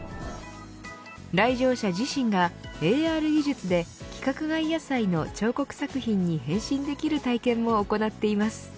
来場者自身が、ＡＲ技術で規格外野菜の彫刻作品に変身できる体験も行っています。